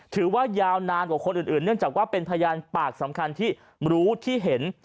ถือว่ายาวนานกว่าคนอื่นเนื่องจากว่าเป็นพยานปากสำคัญที่รู้ที่เห็น